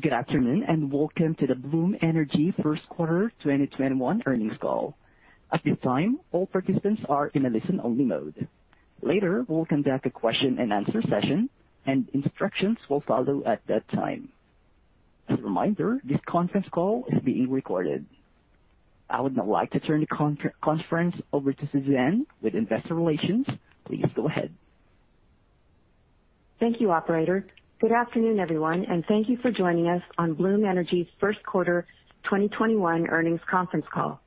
Good afternoon, and welcome to the Bloom Energy first quarter 2021 earnings call. At this time, all participants are in a listen-only mode. Later, we'll conduct a question and answer session, and instructions will follow at that time. As a reminder, this conference call is being recorded. I would now like to turn the conference over to Suzanne with investor relations. Please go ahead. Thank you, operator. Good afternoon, everyone, and thank you for joining us on Bloom Energy's first quarter 2021 earnings conference call.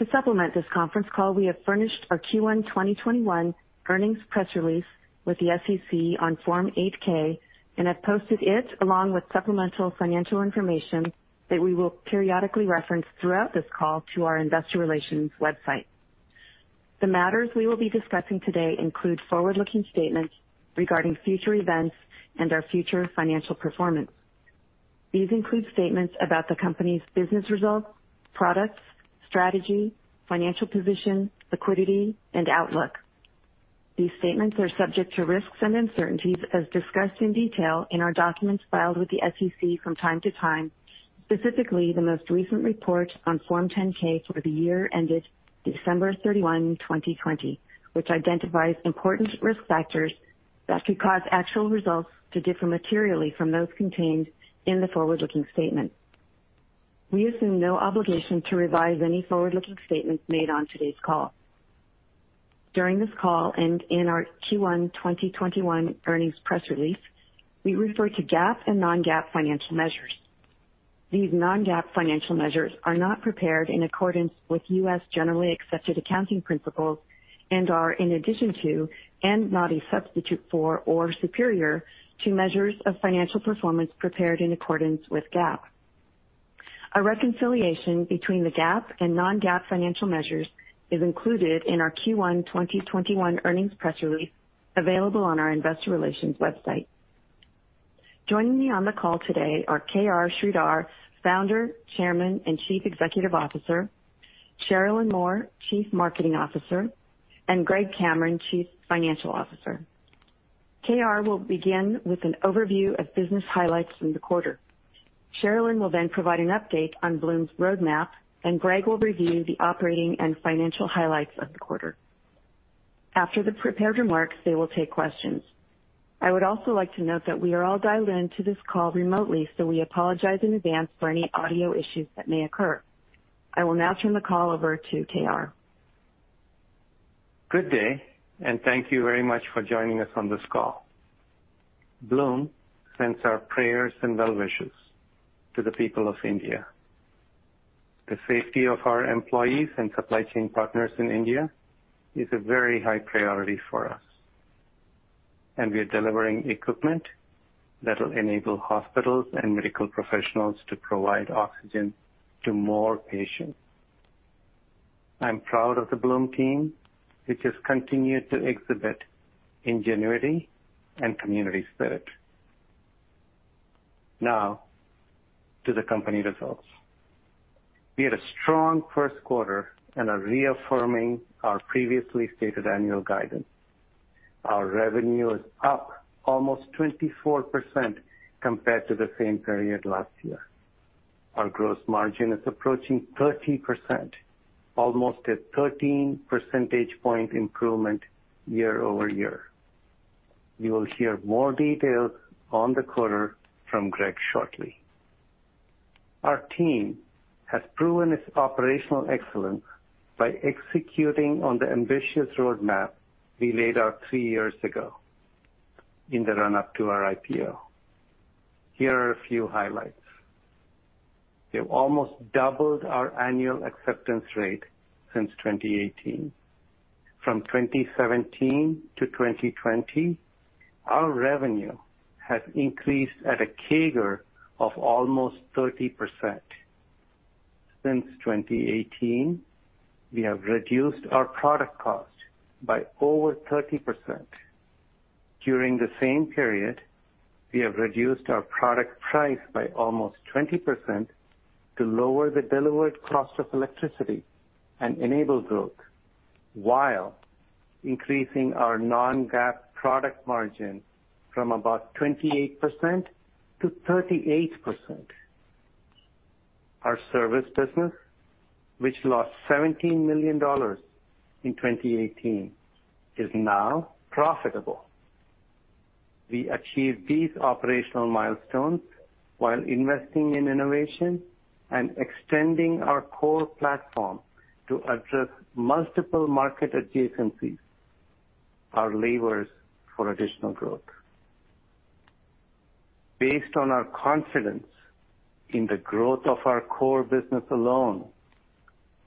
To supplement this conference call, we have furnished our Q1 2021 earnings press release with the SEC on Form 8-K and have posted it, along with supplemental financial information that we will periodically reference throughout this call, to our investor relations website. The matters we will be discussing today include forward-looking statements regarding future events and our future financial performance. These include statements about the company's business results, products, strategy, financial position, liquidity and outlook. These statements are subject to risks and uncertainties as discussed in detail in our documents filed with the SEC from time to time, specifically the most recent report on Form 10-K for the year ended December 31, 2020, which identifies important risk factors that could cause actual results to differ materially from those contained in the forward-looking statement. We assume no obligation to revise any forward-looking statements made on today's call. During this call and in our Q1 2021 earnings press release, we refer to GAAP and non-GAAP financial measures. These non-GAAP financial measures are not prepared in accordance with U.S. generally accepted accounting principles and are in addition to, and not a substitute for or superior to, measures of financial performance prepared in accordance with GAAP. A reconciliation between the GAAP and non-GAAP financial measures is included in our Q1 2021 earnings press release, available on our investor relations website. Joining me on the call today are KR Sridhar, Founder, Chairman and Chief Executive Officer, Sharelynn Moore, Chief Marketing Officer, and Gregory Cameron, Chief Financial Officer. KR will begin with an overview of business highlights in the quarter. Sharelynn will then provide an update on Bloom's roadmap, and Gregory will review the operating and financial highlights of the quarter. After the prepared remarks, they will take questions. I would also like to note that we are all dialed in to this call remotely, so we apologize in advance for any audio issues that may occur. I will now turn the call over to KR. Thank you very much for joining us on this call. Bloom sends our prayers and well wishes to the people of India. The safety of our employees and supply chain partners in India is a very high priority for us, and we are delivering equipment that'll enable hospitals and medical professionals to provide oxygen to more patients. I'm proud of the Bloom team, which has continued to exhibit ingenuity and community spirit. Now to the company results. We had a strong first quarter and are reaffirming our previously stated annual guidance. Our revenue is up almost 24% compared to the same period last year. Our gross margin is approaching 30%, almost a 13 percentage point improvement year-over-year. You will hear more details on the quarter from Gregory shortly. Our team has proven its operational excellence by executing on the ambitious roadmap we laid out three years ago in the run-up to our IPO. Here are a few highlights. We've almost doubled our annual acceptance rate since 2018. From 2017-2020, our revenue has increased at a CAGR of almost 30%. Since 2018, we have reduced our product cost by over 30%. During the same period, we have reduced our product price by almost 20% to lower the delivered cost of electricity and enable growth while increasing our non-GAAP product margin from about 28%-38%. Our service business, which lost $17 million in 2018, is now profitable. We achieved these operational milestones while investing in innovation and extending our core platform to address multiple market adjacencies, our levers for additional growth. Based on our confidence in the growth of our core business alone,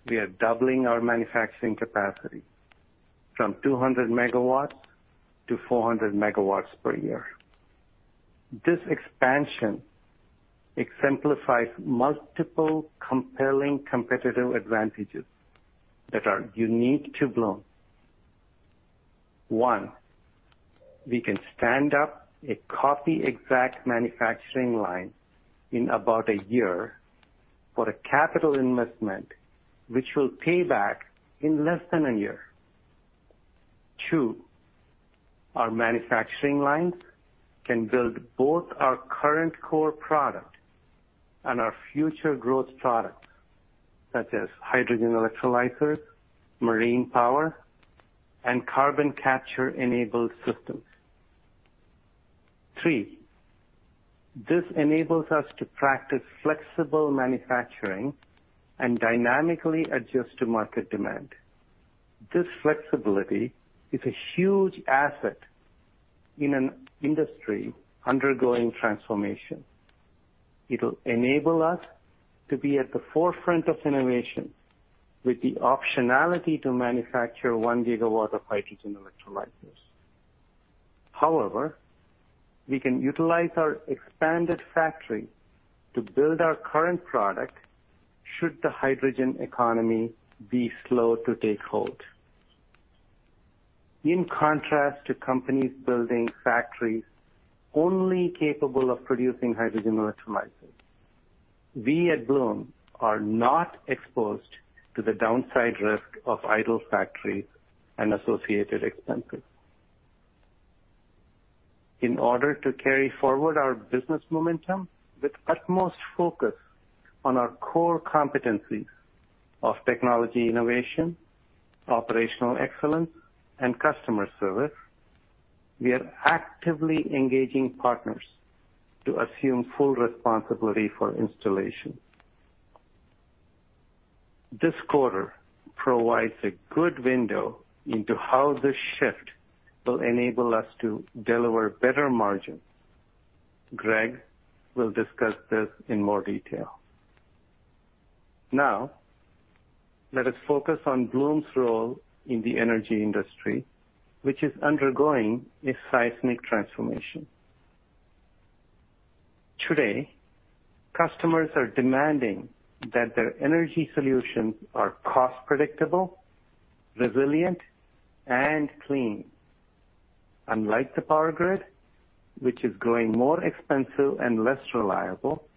we are doubling our manufacturing capacity from 200 MW-400 MW per year. This expansion exemplifies multiple compelling competitive advantages that are unique to Bloom. One, we can stand up a copy-exact manufacturing line in about a year for a capital investment which will pay back in less than a year. Two, our manufacturing lines can build both our current core product and our future growth products, such as hydrogen electrolyzers, marine power, and carbon capture-enabled systems. Three, this enables us to practice flexible manufacturing and dynamically adjust to market demand. This flexibility is a huge asset in an industry undergoing transformation. It'll enable us to be at the forefront of innovation with the optionality to manufacture 1 GW of hydrogen electrolyzers. However, we can utilize our expanded factory to build our current product should the hydrogen economy be slow to take hold. In contrast to companies building factories only capable of producing hydrogen electrolyzers, we at Bloom are not exposed to the downside risk of idle factories and associated expenses. In order to carry forward our business momentum with utmost focus on our core competencies of technology innovation, operational excellence, and customer service, we are actively engaging partners to assume full responsibility for installation. This quarter provides a good window into how this shift will enable us to deliver better margins. Gregory will discuss this in more detail. Now, let us focus on Bloom's role in the energy industry, which is undergoing a seismic transformation. Today, customers are demanding that their energy solutions are cost predictable, resilient, and clean. Unlike the power grid, which is growing more expensive and less reliable,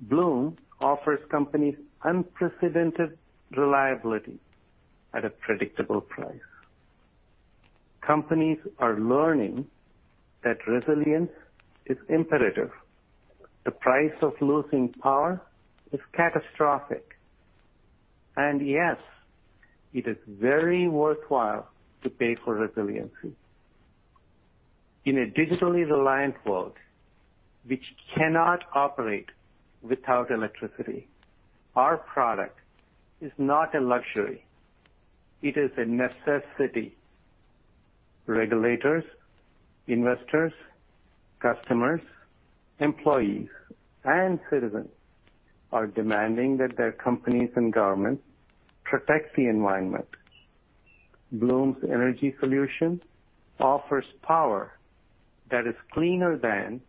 Bloom offers companies unprecedented reliability at a predictable price. Companies are learning that resilience is imperative. The price of losing power is catastrophic. Yes, it is very worthwhile to pay for resiliency. In a digitally reliant world, which cannot operate without electricity, our product is not a luxury, it is a necessity. Regulators, investors, customers, employees, and citizens are demanding that their companies and governments protect the environment. Bloom's energy solution offers power that is cleaner than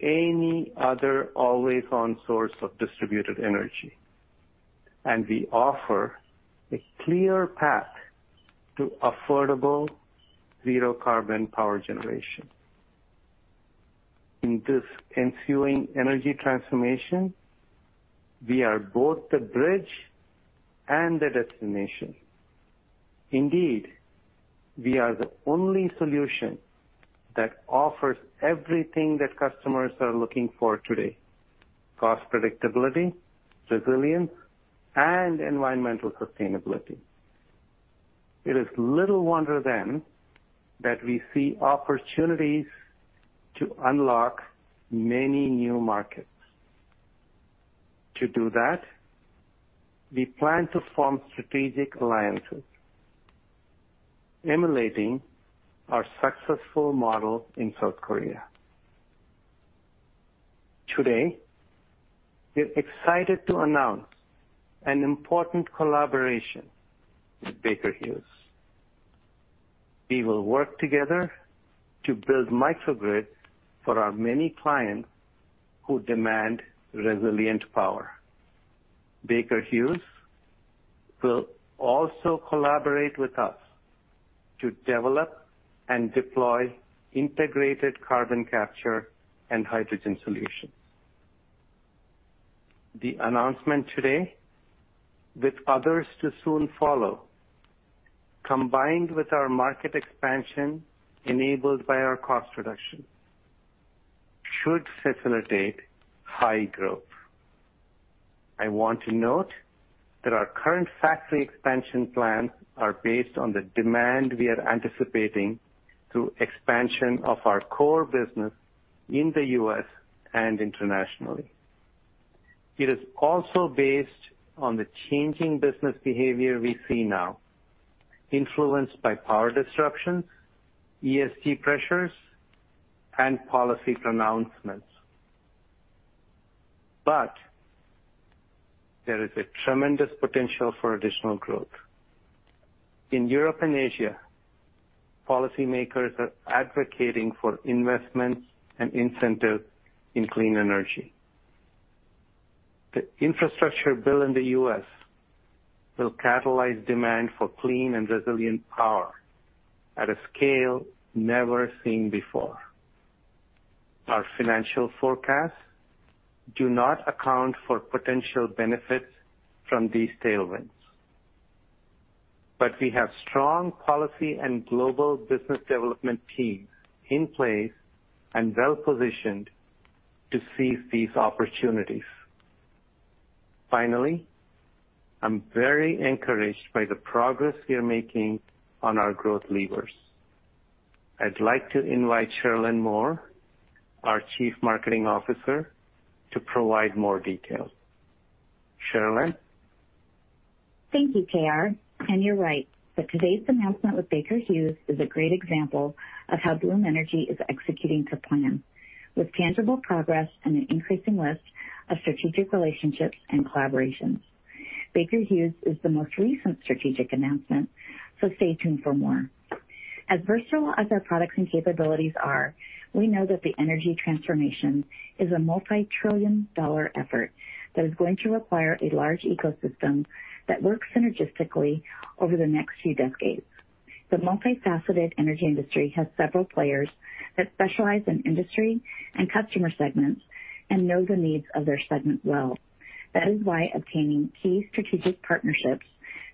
any other always-on source of distributed energy, and we offer a clear path to affordable zero carbon power generation. In this ensuing energy transformation, we are both the bridge and the destination. Indeed, we are the only solution that offers everything that customers are looking for today, cost predictability, resilience, and environmental sustainability. It is little wonder then that we see opportunities to unlock many new markets. To do that, we plan to form strategic alliances emulating our successful model in South Korea. Today, we're excited to announce an important collaboration with Baker Hughes. We will work together to build microgrids for our many clients who demand resilient power. Baker Hughes will also collaborate with us to develop and deploy integrated carbon capture and hydrogen solutions. The announcement today, with others to soon follow, combined with our market expansion enabled by our cost reduction, should facilitate high growth. I want to note that our current factory expansion plans are based on the demand we are anticipating through expansion of our core business in the U.S. and internationally. It is also based on the changing business behavior we see now, influenced by power disruptions, ESG pressures, and policy pronouncements. There is a tremendous potential for additional growth. In Europe and Asia, policymakers are advocating for investments and incentives in clean energy. The infrastructure bill in the U.S. will catalyze demand for clean and resilient power at a scale never seen before. Our financial forecasts do not account for potential benefits from these tailwinds. We have strong policy and global business development teams in place and well-positioned to seize these opportunities. Finally, I'm very encouraged by the progress we are making on our growth levers. I'd like to invite Sharelynn Moore, our Chief Marketing Officer, to provide more details. Sharelynn? Thank you, KR. You're right, that today's announcement with Baker Hughes is a great example of how Bloom Energy is executing to plan, with tangible progress and an increasing list of strategic relationships and collaborations. Baker Hughes is the most recent strategic announcement, so stay tuned for more. As versatile as our products and capabilities are, we know that the energy transformation is a multi-trillion-dollar effort that is going to require a large ecosystem that works synergistically over the next few decades. The multifaceted energy industry has several players that specialize in industry and customer segments and know the needs of their segment well. That is why obtaining key strategic partnerships,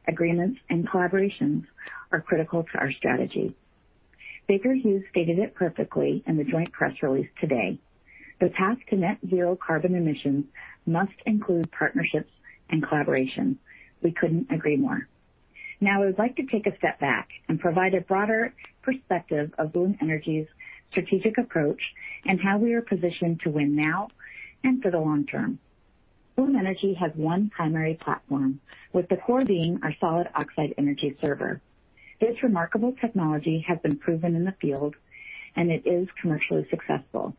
agreements, and collaborations are critical to our strategy. Baker Hughes stated it perfectly in the joint press release today. The path to net zero carbon emissions must include partnerships and collaboration. We couldn't agree more. Now, I would like to take a step back and provide a broader perspective of Bloom Energy's strategic approach and how we are positioned to win now and for the long term. Bloom Energy has one primary platform, with the core being our solid oxide Bloom Energy Server. This remarkable technology has been proven in the field, and it is commercially successful.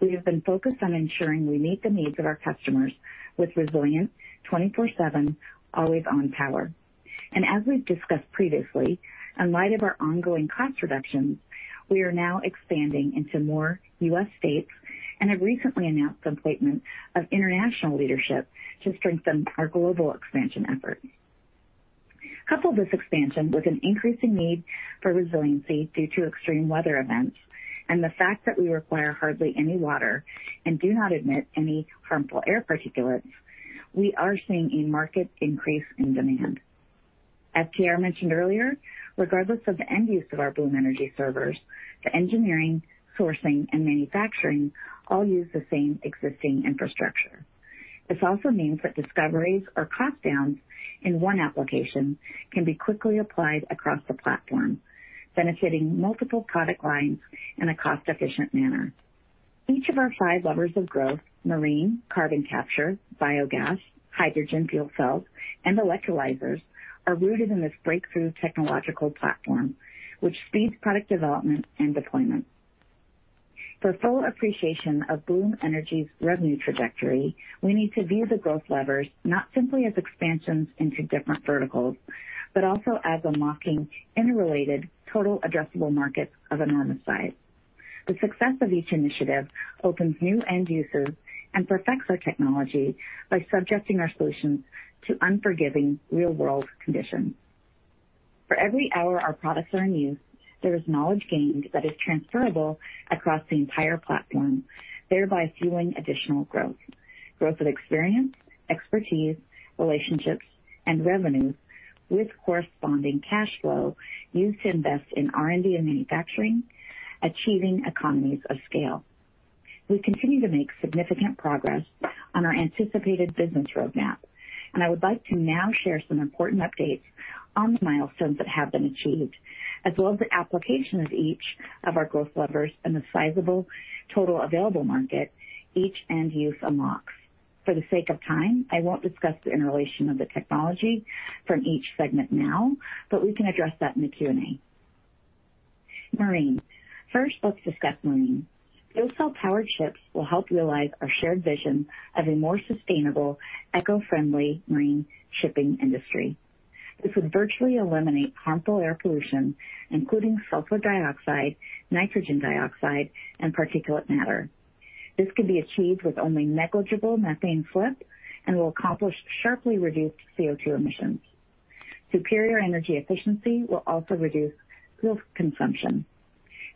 We have been focused on ensuring we meet the needs of our customers with resilient, 24/7, always-on power. As we've discussed previously, in light of our ongoing cost reductions, we are now expanding into more U.S. states and have recently announced appointments of international leadership to strengthen our global expansion efforts. Couple this expansion with an increasing need for resiliency due to extreme weather events and the fact that we require hardly any water and do not emit any harmful air particulates, we are seeing a marked increase in demand. As KR mentioned earlier, regardless of the end use of our Bloom Energy Servers, the engineering, sourcing, and manufacturing all use the same existing infrastructure. This also means that discoveries or cost downs in one application can be quickly applied across the platform, benefiting multiple product lines in a cost-efficient manner. Each of our five levers of growth, marine, carbon capture, biogas, hydrogen fuel cells, and electrolyzers, are rooted in this breakthrough technological platform, which speeds product development and deployment. For full appreciation of Bloom Energy's revenue trajectory, we need to view the growth levers not simply as expansions into different verticals, but also as unlocking interrelated total addressable markets of enormous size. The success of each initiative opens new end users and perfects our technology by subjecting our solutions to unforgiving real-world conditions. For every hour our products are in use, there is knowledge gained that is transferable across the entire platform, thereby fueling additional growth of experience, expertise, relationships, and revenue with corresponding cash flow used to invest in R&D and manufacturing, achieving economies of scale. We continue to make significant progress on our anticipated business roadmap, and I would like to now share some important updates on the milestones that have been achieved, as well as the application of each of our growth levers and the sizable total available market each end use unlocks. For the sake of time, I won't discuss the interrelation of the technology from each segment now, but we can address that in the Q&A. Marine. First, let's discuss marine. Fuel cell-powered ships will help realize our shared vision of a more sustainable, eco-friendly marine shipping industry. This would virtually eliminate harmful air pollution, including sulfur dioxide, nitrogen dioxide, and particulate matter. This could be achieved with only negligible methane slip and will accomplish sharply reduced CO2 emissions. Superior energy efficiency will also reduce fuel consumption.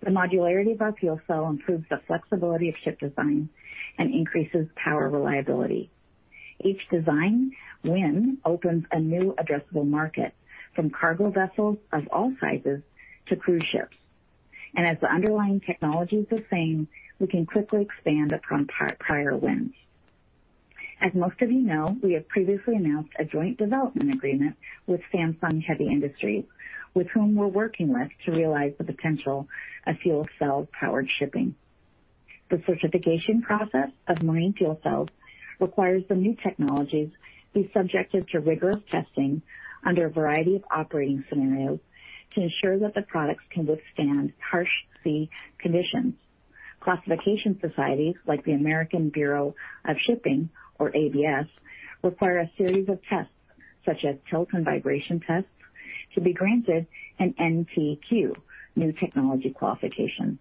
The modularity of our fuel cell improves the flexibility of ship design and increases power reliability. Each design win opens a new addressable market, from cargo vessels of all sizes to cruise ships. As the underlying technology is the same, we can quickly expand upon prior wins. As most of you know, we have previously announced a joint development agreement with Samsung Heavy Industries, with whom we're working with to realize the potential of fuel cell-powered shipping. The certification process of marine fuel cells requires the new technologies be subjected to rigorous testing under a variety of operating scenarios to ensure that the products can withstand harsh sea conditions. Classification societies like the American Bureau of Shipping, or ABS, require a series of tests, such as tilt and vibration tests, to be granted an NTQ, New Technology Qualification.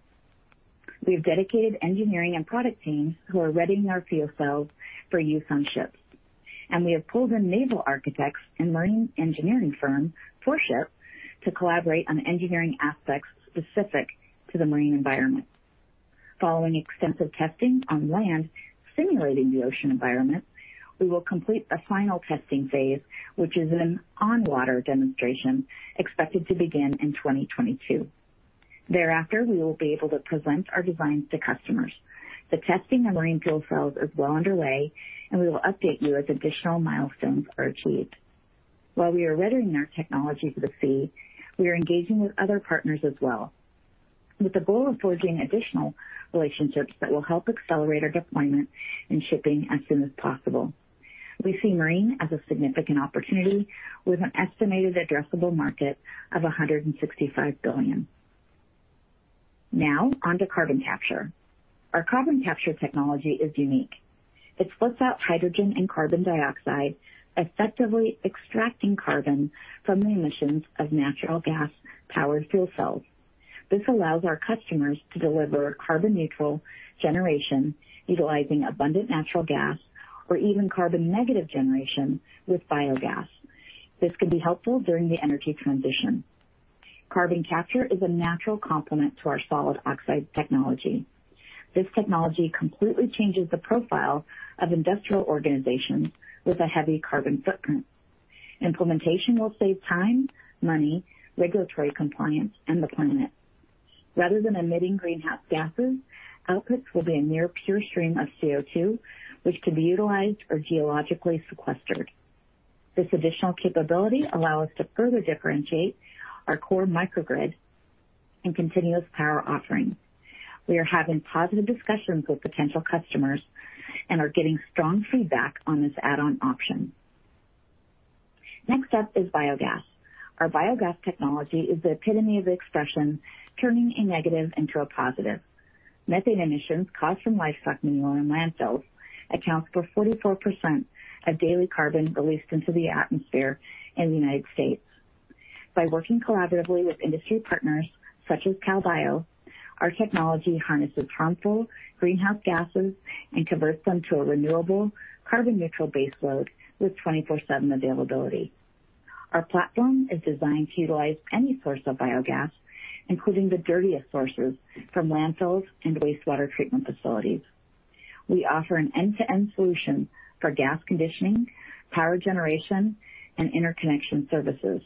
We have dedicated engineering and product teams who are readying our fuel cells for use on ships. We have pulled in naval architects and marine engineering firm, Foreship, to collaborate on engineering aspects specific to the marine environment. Following extensive testing on land simulating the ocean environment, we will complete a final testing phase, which is an on-water demonstration expected to begin in 2022. Thereafter, we will be able to present our designs to customers. The testing of marine fuel cells is well underway, and we will update you as additional milestones are achieved. While we are readying our technology for the sea, we are engaging with other partners as well, with the goal of forging additional relationships that will help accelerate our deployment in shipping as soon as possible. We see marine as a significant opportunity, with an estimated addressable market of $165 billion. Now on to carbon capture. Our carbon capture technology is unique. It splits out hydrogen and carbon dioxide, effectively extracting carbon from the emissions of natural gas-powered fuel cells. This allows our customers to deliver carbon-neutral generation utilizing abundant natural gas or even carbon-negative generation with biogas. This could be helpful during the energy transition. Carbon capture is a natural complement to our solid oxide technology. This technology completely changes the profile of industrial organizations with a heavy carbon footprint. Implementation will save time, money, regulatory compliance, and the planet. Rather than emitting greenhouse gases, outputs will be a near pure stream of CO2, which can be utilized or geologically sequestered. This additional capability allow us to further differentiate our core microgrid and continuous power offerings. We are having positive discussions with potential customers and are getting strong feedback on this add-on option. Next up is biogas. Our biogas technology is the epitome of the expression, turning a negative into a positive. Methane emissions caused from livestock manure in landfills accounts for 44% of daily carbon released into the atmosphere in the U.S. By working collaboratively with industry partners such as CalBio, our technology harnesses harmful greenhouse gases and converts them to a renewable carbon-neutral baseload with 24/7 availability. Our platform is designed to utilize any source of biogas, including the dirtiest sources from landfills and wastewater treatment facilities. We offer an end-to-end solution for gas conditioning, power generation, and interconnection services.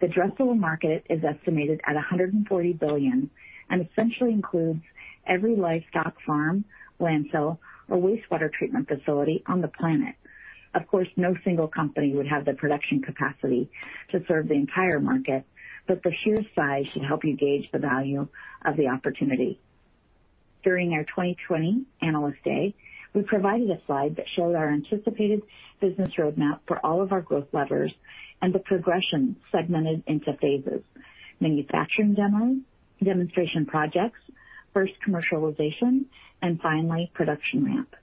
The addressable market is estimated at $140 billion and essentially includes every livestock farm, landfill, or wastewater treatment facility on the planet. Of course, no single company would have the production capacity to serve the entire market, but the sheer size should help you gauge the value of the opportunity. During our 2020 analyst day, we provided a slide that showed our anticipated business roadmap for all of our growth levers and the progression segmented into phases, manufacturing demos, demonstration projects, first commercialization, and finally, production ramp.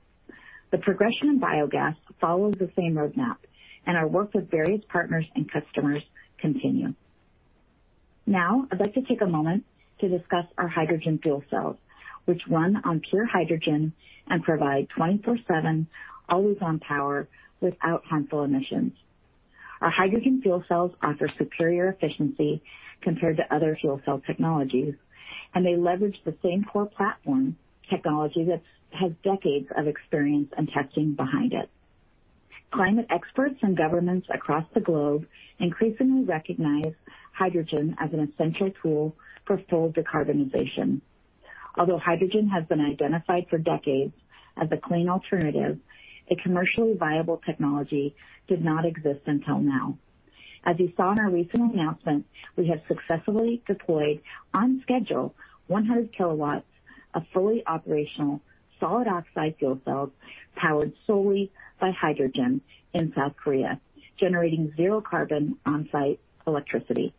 The progression in biogas follows the same roadmap, and our work with various partners and customers continue. Now, I'd like to take a moment to discuss our hydrogen fuel cells, which run on pure hydrogen and provide 24/7, always-on power without harmful emissions. Our hydrogen fuel cells offer superior efficiency compared to other fuel cell technologies, and they leverage the same core platform technology that has decades of experience and testing behind it. Climate experts and governments across the globe increasingly recognize hydrogen as an essential tool for full decarbonization. Although hydrogen has been identified for decades as a clean alternative, a commercially viable technology did not exist until now. As you saw in our recent announcement, we have successfully deployed on schedule 100 kW of fully operational solid oxide fuel cells powered solely by hydrogen in South Korea, generating zero carbon on-site electricity.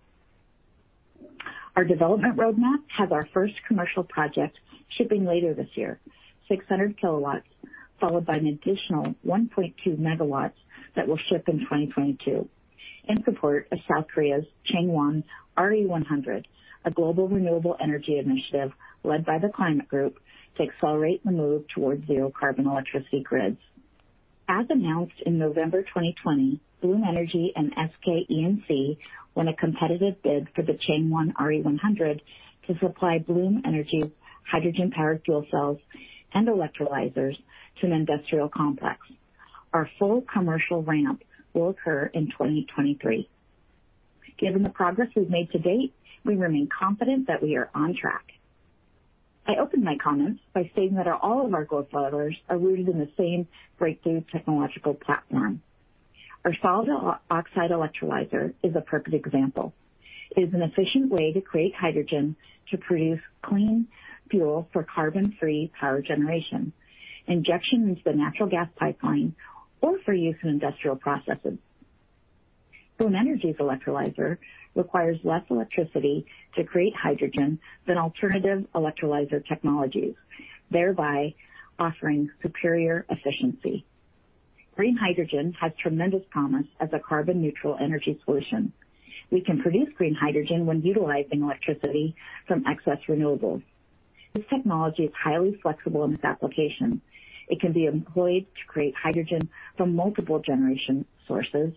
Our development roadmap has our first commercial project shipping later this year, 600 kilowatts, followed by an additional 1.2 MW that will ship in 2022 in support of South Korea's Changwon RE100, a global renewable energy initiative led by The Climate Group to accelerate the move towards zero carbon electricity grids. As announced in November 2020, Bloom Energy and SK E&C won a competitive bid for the Changwon RE100 to supply Bloom Energy hydrogen-powered fuel cells and electrolyzers to an industrial complex. Our full commercial ramp will occur in 2023. Given the progress we've made to date, we remain confident that we are on track. I opened my comments by stating that all of our growth levers are rooted in the same breakthrough technological platform. Our solid oxide electrolyzer is a perfect example. It is an efficient way to create hydrogen to produce clean fuel for carbon-free power generation, injection into the natural gas pipeline, or for use in industrial processes. Bloom Energy's electrolyzer requires less electricity to create hydrogen than alternative electrolyzer technologies, thereby offering superior efficiency. Green hydrogen has tremendous promise as a carbon-neutral energy solution. We can produce green hydrogen when utilizing electricity from excess renewables. This technology is highly flexible in its application. It can be employed to create hydrogen from multiple generation sources,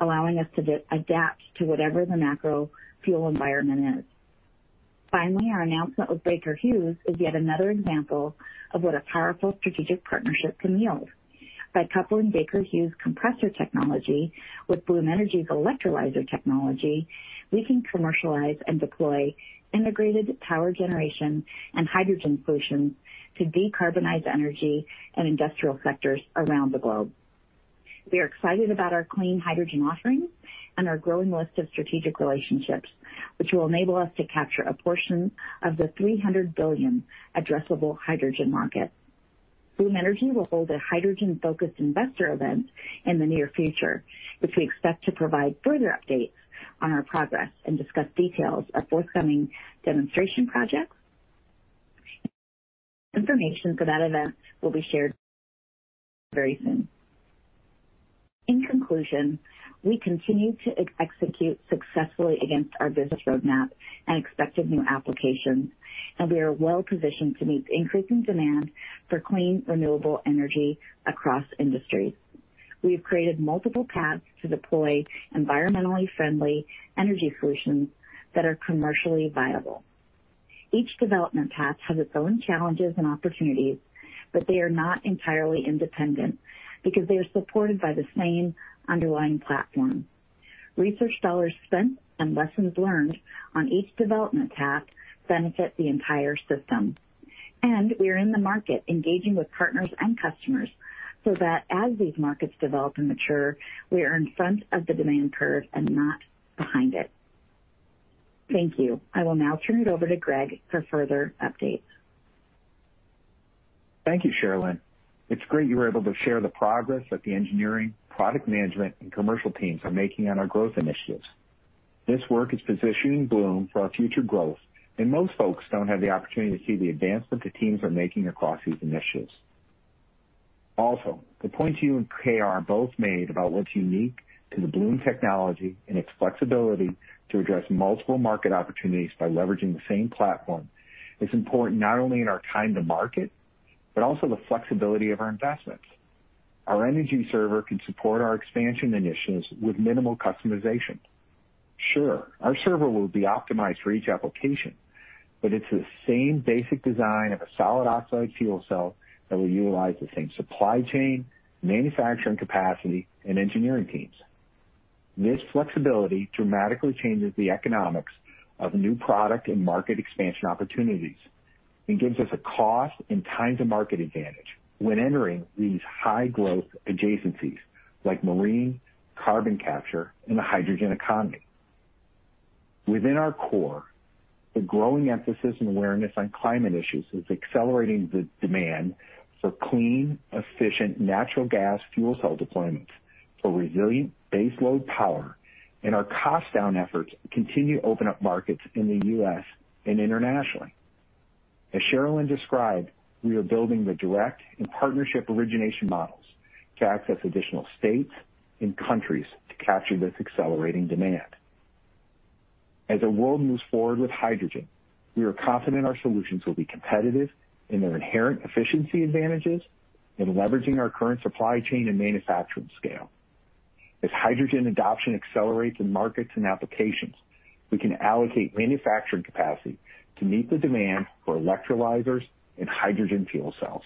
allowing us to adapt to whatever the macro fuel environment is. Finally, our announcement with Baker Hughes is yet another example of what a powerful strategic partnership can yield. By coupling Baker Hughes' compressor technology with Bloom Energy's electrolyzer technology, we can commercialize and deploy integrated power generation and hydrogen solutions to decarbonize energy and industrial sectors around the globe. We are excited about our clean hydrogen offerings and our growing list of strategic relationships, which will enable us to capture a portion of the $300 billion addressable hydrogen market. Bloom Energy will hold a hydrogen-focused investor event in the near future, which we expect to provide further updates on our progress and discuss details of forthcoming demonstration projects. Information for that event will be shared very soon. In conclusion, we continue to execute successfully against our business roadmap and expected new applications. We are well-positioned to meet increasing demand for clean, renewable energy across industries. We have created multiple paths to deploy environmentally friendly energy solutions that are commercially viable. Each development path has its own challenges and opportunities, they are not entirely independent because they are supported by the same underlying platform. Research dollars spent and lessons learned on each development path benefit the entire system. We are in the market engaging with partners and customers so that as these markets develop and mature, we are in front of the demand curve and not behind it. Thank you. I will now turn it over to Gregory for further updates. Thank you, Sharelynn. It's great you were able to share the progress that the engineering, product management, and commercial teams are making on our growth initiatives. This work is positioning Bloom Energy for our future growth, and most folks don't have the opportunity to see the advancements the teams are making across these initiatives. Also, the points you and KR both made about what's unique to the Bloom technology and its flexibility to address multiple market opportunities by leveraging the same platform is important, not only in our time to market, but also the flexibility of our investments. Our Bloom Energy Server can support our expansion initiatives with minimal customization. Sure, our server will be optimized for each application, but it's the same basic design of a solid oxide fuel cell that will utilize the same supply chain, manufacturing capacity, and engineering teams. This flexibility dramatically changes the economics of new product and market expansion opportunities and gives us a cost and time to market advantage when entering these high-growth adjacencies like marine, carbon capture, and the hydrogen economy. Within our core, the growing emphasis and awareness on climate issues is accelerating the demand for clean, efficient natural gas fuel cell deployments for resilient baseload power, and our cost-down efforts continue to open up markets in the U.S. and internationally. As Sharelynn described, we are building the direct and partnership origination models to access additional states and countries to capture this accelerating demand. As the world moves forward with hydrogen, we are confident our solutions will be competitive in their inherent efficiency advantages in leveraging our current supply chain and manufacturing scale. As hydrogen adoption accelerates in markets and applications, we can allocate manufacturing capacity to meet the demand for electrolyzers and hydrogen fuel cells.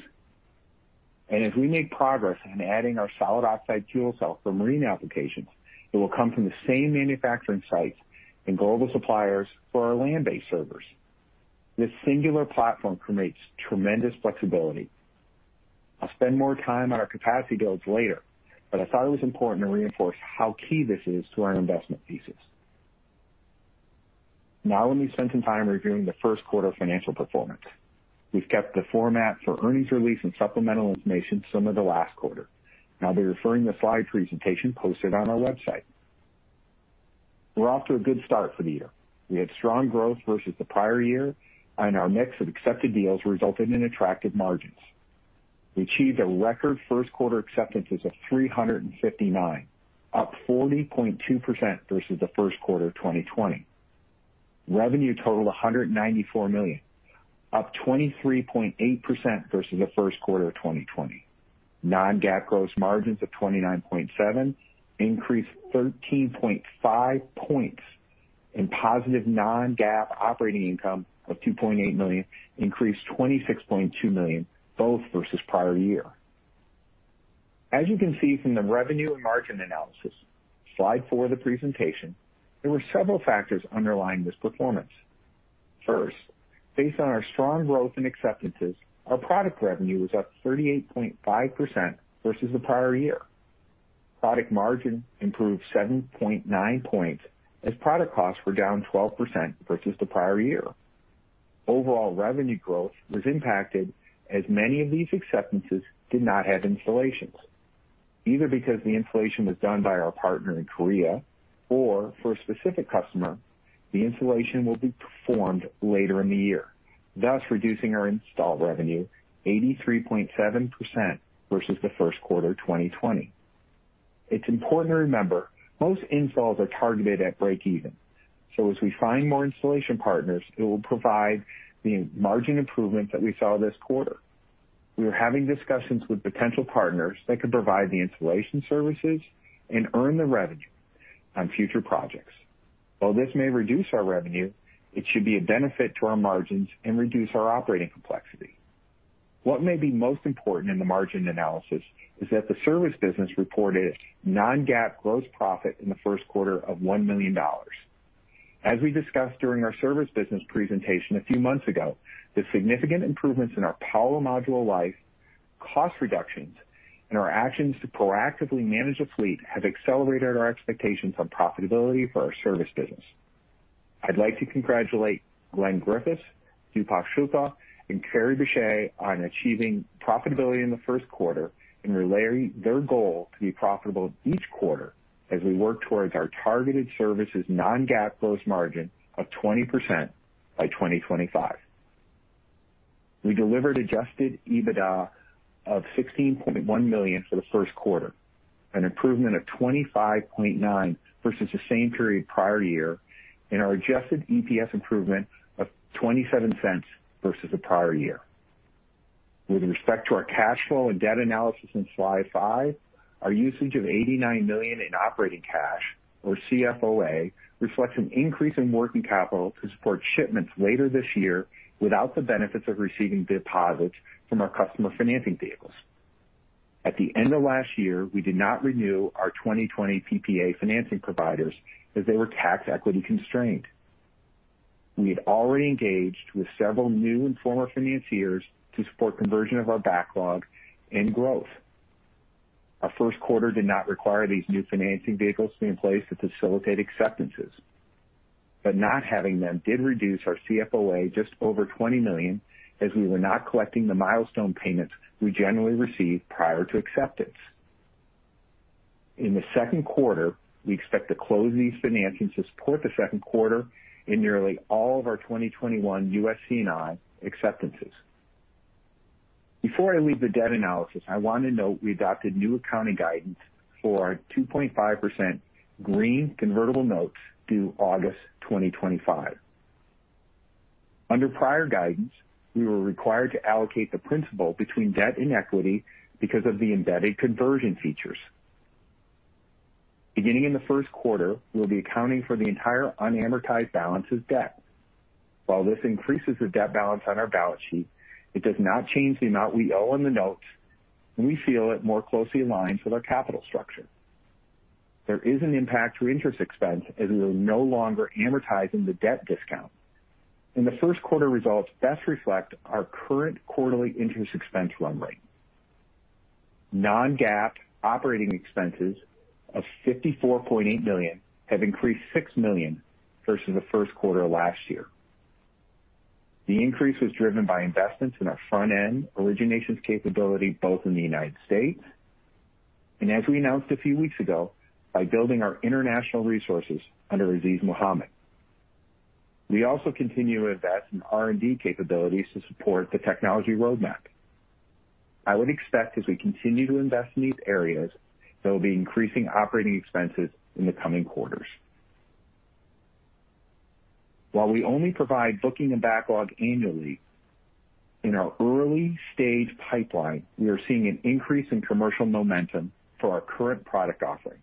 As we make progress in adding our solid oxide fuel cell for marine applications, it will come from the same manufacturing sites and global suppliers for our land-based servers. This singular platform creates tremendous flexibility. I'll spend more time on our capacity builds later, but I thought it was important to reinforce how key this is to our investment thesis. Now let me spend some time reviewing the first quarter financial performance. We've kept the format for earnings release and supplemental information similar to last quarter. I'll be referring to the slide presentation posted on our website. We're off to a good start for the year. We had strong growth versus the prior year. Our mix of accepted deals resulted in attractive margins. We achieved a record first quarter acceptances of 359, up 40.2% versus the first quarter of 2020. Revenue totaled $194 million, up 23.8% versus the first quarter of 2020. Non-GAAP gross margins of 29.7% increased 13.5 points and positive Non-GAAP operating income of $2.8 million increased $26.2 million, both versus prior year. As you can see from the revenue and margin analysis, slide four of the presentation, there were several factors underlying this performance. First, based on our strong growth and acceptances, our product revenue was up 38.5% versus the prior year. Product margin improved 7.9 points as product costs were down 12% versus the prior year. Overall revenue growth was impacted as many of these acceptances did not have installations, either because the installation was done by our partner in Korea or for a specific customer, the installation will be performed later in the year, thus reducing our install revenue 83.7% versus the first quarter 2020. It's important to remember, most installs are targeted at breakeven. As we find more installation partners, it will provide the margin improvement that we saw this quarter. We are having discussions with potential partners that could provide the installation services and earn the revenue on future projects. While this may reduce our revenue, it should be a benefit to our margins and reduce our operating complexity. What may be most important in the margin analysis is that the service business reported non-GAAP gross profit in the first quarter of $1 million. As we discussed during our service business presentation a few months ago, the significant improvements in our power module life, cost reductions, and our actions to proactively manage the fleet have accelerated our expectations on profitability for our service business. I'd like to congratulate Glen Griffiths, Deepak Shukla, and Kerry Bishé on achieving profitability in the first quarter and relay their goal to be profitable each quarter as we work towards our targeted services non-GAAP gross margin of 20% by 2025. We delivered adjusted EBITDA of $16.1 million for the first quarter, an improvement of $25.9 versus the same period prior year, and our adjusted EPS improvement of $0.27 versus the prior year. With respect to our cash flow and debt analysis in slide five, our usage of $89 million in operating cash or CFOA reflects an increase in working capital to support shipments later this year without the benefits of receiving deposits from our customer financing vehicles. At the end of last year, we did not renew our 2020 PPA financing providers as they were tax equity constrained. We had already engaged with several new and former financiers to support conversion of our backlog and growth. Our first quarter did not require these new financing vehicles to be in place to facilitate acceptances. Not having them did reduce our CFOA just over $20 million, as we were not collecting the milestone payments we generally receive prior to acceptance. In the second quarter, we expect to close these financings to support the second quarter in nearly all of our 2021 US C&I acceptances. Before I leave the debt analysis, I want to note we adopted new accounting guidance for our 2.5% green convertible notes due August 2025. Under prior guidance, we were required to allocate the principal between debt and equity because of the embedded conversion features. Beginning in the first quarter, we'll be accounting for the entire unamortized balance as debt. While this increases the debt balance on our balance sheet, it does not change the amount we owe on the notes, and we feel it more closely aligns with our capital structure. There is an impact to interest expense, as we are no longer amortizing the debt discount, and the first quarter results best reflect our current quarterly interest expense run rate. Non-GAAP operating expenses of $54.8 million have increased $6 million versus the first quarter of last year. The increase was driven by investments in our front-end originations capability, both in the United States, and as we announced a few weeks ago, by building our international resources under Azeez Mohammed. We also continue to invest in R&D capabilities to support the technology roadmap. I would expect as we continue to invest in these areas, there will be increasing operating expenses in the coming quarters. While we only provide booking and backlog annually, in our early-stage pipeline, we are seeing an increase in commercial momentum for our current product offering.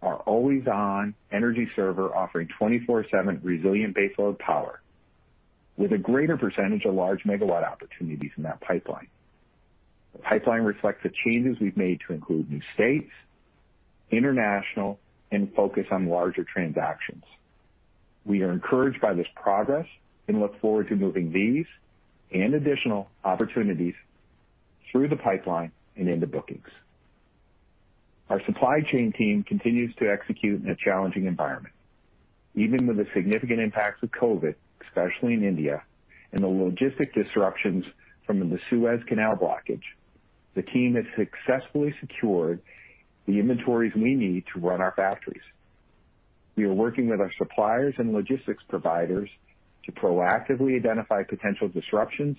Our Always-On Energy Server offering 24/7 resilient baseload power with a greater percentage of large megawatt opportunities in that pipeline. The pipeline reflects the changes we've made to include new states, international, and focus on larger transactions. We are encouraged by this progress and look forward to moving these and additional opportunities through the pipeline and into bookings. Our supply chain team continues to execute in a challenging environment. Even with the significant impacts of COVID, especially in India, and the logistic disruptions from the Suez Canal blockage, the team has successfully secured the inventories we need to run our factories. We are working with our suppliers and logistics providers to proactively identify potential disruptions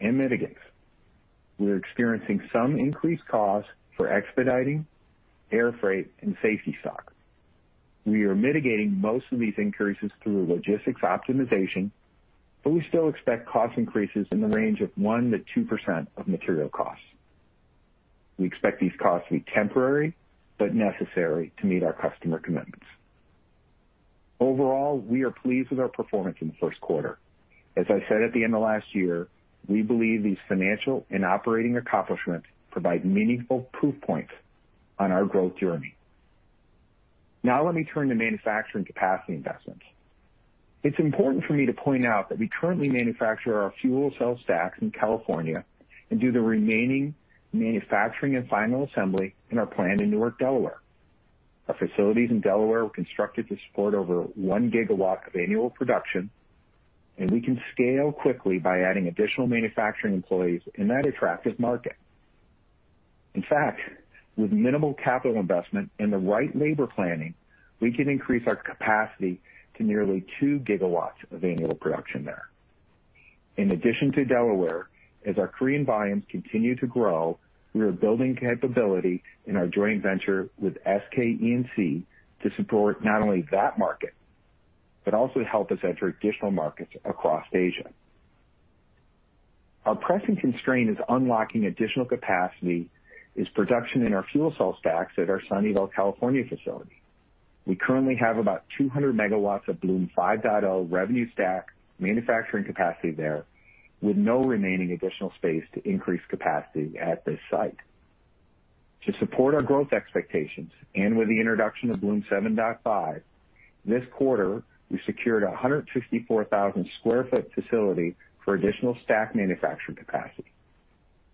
and mitigants. We are experiencing some increased costs for expediting air freight and safety stock. We are mitigating most of these increases through logistics optimization, but we still expect cost increases in the range of 1%-2% of material costs. We expect these costs to be temporary but necessary to meet our customer commitments. Overall, we are pleased with our performance in the first quarter. As I said at the end of last year, we believe these financial and operating accomplishments provide meaningful proof points on our growth journey. Let me turn to manufacturing capacity investments. It's important for me to point out that we currently manufacture our fuel cell stacks in California and do the remaining manufacturing and final assembly in our plant in Newark, Delaware. Our facilities in Delaware were constructed to support over 1 GW of annual production, and we can scale quickly by adding additional manufacturing employees in that attractive market. In fact, with minimal capital investment and the right labor planning, we can increase our capacity to nearly 2 GW of annual production there. In addition to Delaware, as our Korean volumes continue to grow, we are building capability in our joint venture with SK E&C to support not only that market, but also help us enter additional markets across Asia. Our pressing constraint is production in our fuel cell stacks at our Sunnyvale, California, facility. We currently have about 200 MW of Bloom 5.0 revenue stack manufacturing capacity there, with no remaining additional space to increase capacity at this site. To support our growth expectations and with the introduction of Bloom 7.5, this quarter, we secured 164,000 sq ft facility for additional stack manufacturing capacity.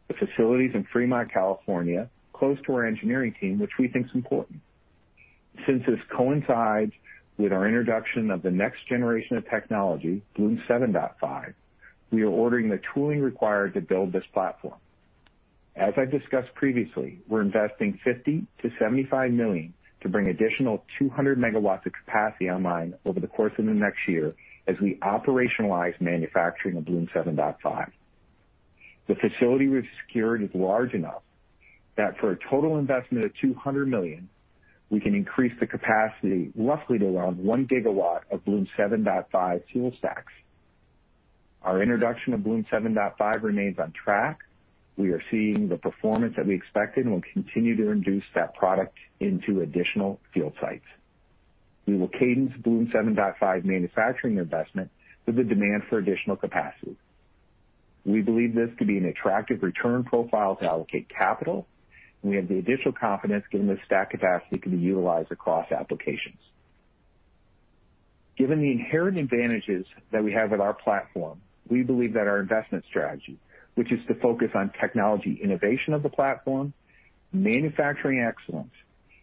The facility is in Fremont, California, close to our engineering team, which we think is important. Since this coincides with our introduction of the next generation of technology, Bloom 7.5, we are ordering the tooling required to build this platform. As I've discussed previously, we're investing $50 million-$75 million to bring additional 200 MW of capacity online over the course of the next year as we operationalize manufacturing of Bloom 7.5. The facility we've secured is large enough that for a total investment of $200 million, we can increase the capacity roughly to around one gigawatt of Bloom 7.5 fuel stacks. Our introduction of Bloom 7.5 remains on track. We are seeing the performance that we expected and will continue to introduce that product into additional field sites. We will cadence Bloom 7.5 manufacturing investment with the demand for additional capacity. We believe this to be an attractive return profile to allocate capital, and we have the additional confidence given the stack capacity can be utilized across applications. Given the inherent advantages that we have with our platform, we believe that our investment strategy, which is to focus on technology innovation of the platform, manufacturing excellence,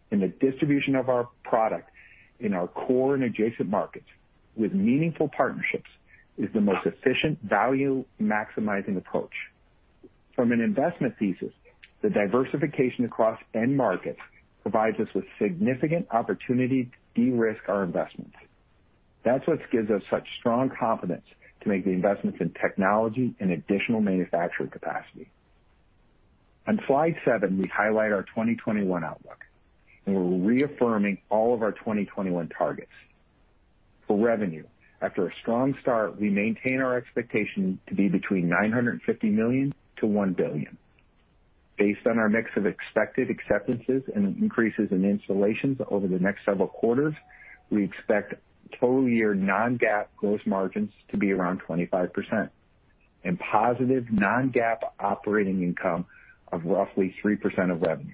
and the distribution of our product in our core and adjacent markets with meaningful partnerships, is the most efficient value-maximizing approach. From an investment thesis, the diversification across end markets provides us with significant opportunity to de-risk our investments. That's what gives us such strong confidence to make the investments in technology and additional manufacturing capacity. On slide seven, we highlight our 2021 outlook, and we're reaffirming all of our 2021 targets. For revenue, after a strong start, we maintain our expectation to be between $950 million-$1 billion. Based on our mix of expected acceptances and increases in installations over the next several quarters, we expect total year non-GAAP gross margins to be around 25% and positive non-GAAP operating income of roughly 3% of revenue.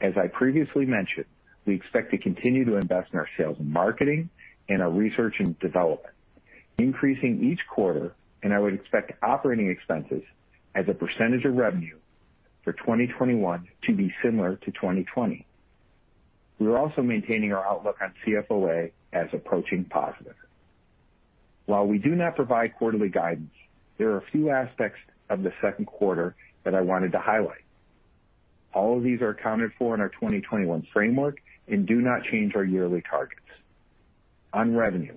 As I previously mentioned, we expect to continue to invest in our sales and marketing and our research and development, increasing each quarter, and I would expect operating expenses as a percentage of revenue for 2021 to be similar to 2020. We are also maintaining our outlook on CFOA as approaching positive. While we do not provide quarterly guidance, there are a few aspects of the second quarter that I wanted to highlight. All of these are accounted for in our 2021 framework and do not change our yearly targets. On revenue,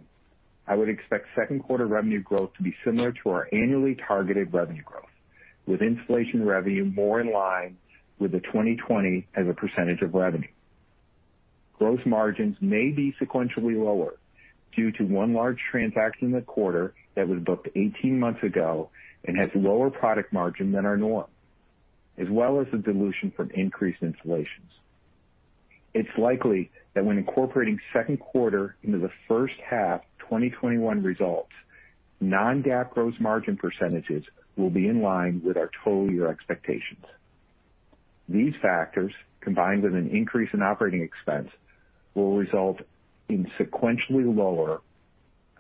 I would expect second quarter revenue growth to be similar to our annually targeted revenue growth, with installation revenue more in line with the 2020 as a percentage of revenue. Gross margins may be sequentially lower due to one large transaction in the quarter that was booked 18 months ago and has lower product margin than our norm, as well as the dilution from increased installations. It's likely that when incorporating second quarter into the first half 2021 results, non-GAAP gross margin percentages will be in line with our total year expectations. These factors, combined with an increase in operating expense, will result in sequentially lower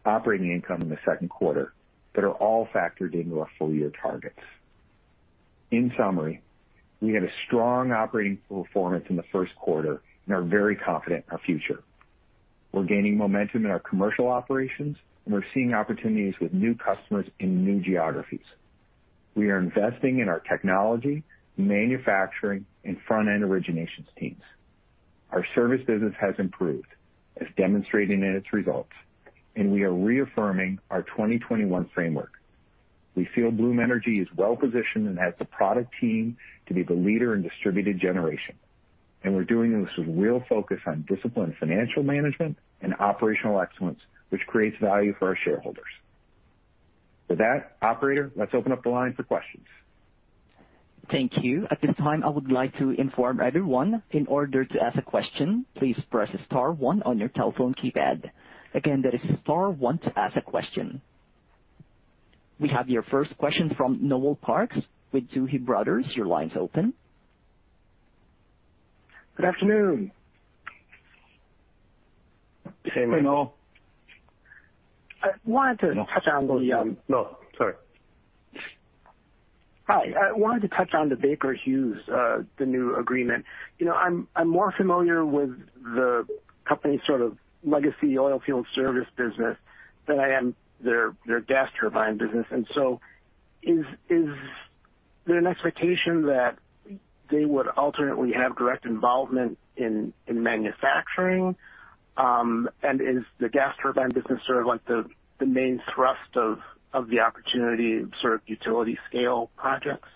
operating income in the second quarter that are all factored into our full-year targets. In summary, we had a strong operating performance in the first quarter and are very confident in our future. We're gaining momentum in our commercial operations, and we're seeing opportunities with new customers in new geographies. We are investing in our technology, manufacturing, and front-end originations teams. Our service business has improved, as demonstrated in its results, and we are reaffirming our 2021 framework. We feel Bloom Energy is well-positioned and has the product team to be the leader in distributed generation. We're doing this with real focus on disciplined financial management and operational excellence, which creates value for our shareholders. With that, operator, let's open up the line for questions. Thank you. At this time, I would like to inform everyone, in order to ask a question, please press star one on your telephone keypad. Again, that is star one to ask a question. We have your first question from Noel Parks with Tuohy Brothers. Your line's open. Good afternoon. Hey, Noel. I wanted to touch on the. Noel. Sorry. Hi. I wanted to touch on the Baker Hughes, the new agreement. I'm more familiar with the company's legacy oil field service business than I am their gas turbine business. Is there an expectation that they would alternately have direct involvement in manufacturing? Is the gas turbine business sort of like the main thrust of the opportunity sort of utility scale projects?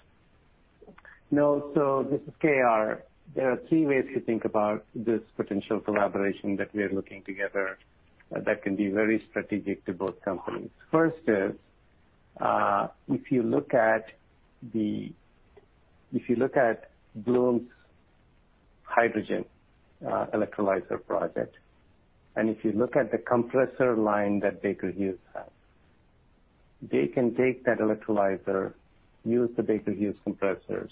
No. This is KR. There are three ways to think about this potential collaboration that we are looking together that can be very strategic to both companies. First is, if you look at Bloom's hydrogen electrolyzer project, and if you look at the compressor line that Baker Hughes has, they can take that electrolyzer, use the Baker Hughes compressors,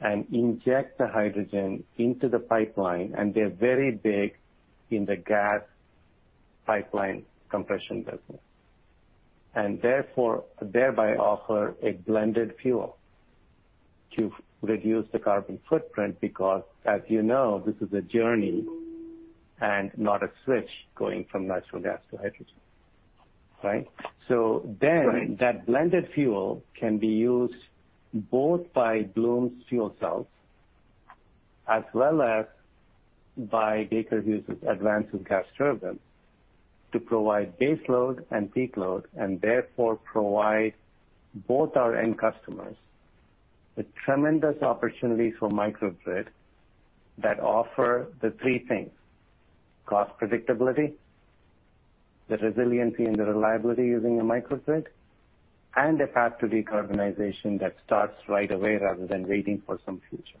and inject the hydrogen into the pipeline, and they're very big in the gas pipeline compression business. Thereby offer a blended fuel to reduce the carbon footprint because as you know, this is a journey and not a switch going from natural gas to hydrogen. Right? Right That blended fuel can be used both by Bloom's fuel cells as well as by Baker Hughes's advanced gas turbine to provide base load and peak load. Therefore, provide both our end customers with tremendous opportunities for microgrid that offer the three things: cost predictability, the resiliency and the reliability using a microgrid, and a path to decarbonization that starts right away rather than waiting for some future.